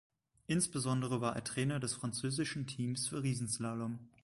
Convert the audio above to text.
Insbesondere war er Trainer des französischen Teams für Riesenslalom.